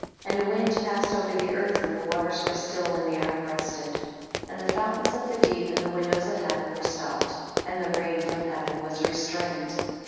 33. And a wind passed over the earth, and the waters were still and the ark rested. 34. And the fountains of the deep and the windows of heaven were stopped, and the rain from heaven was restrained.